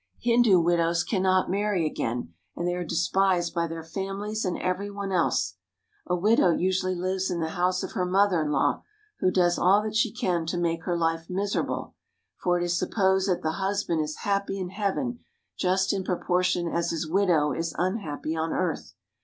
Hindu widows cannot marry again, and they are despised by their families and every one else. A widow usually lives in the house of her mother in law, who does all that she can to make her life miserable, for it is supposed that the hus band is happy in heaven just in proportion as his widow is unhappy on earth.